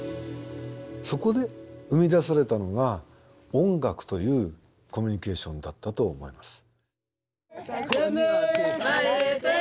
そこで生み出されたのが音楽というコミュニケーションだったと思います。